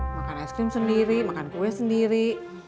makan es krim sendiri makan kue sendiri